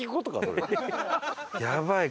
やばい。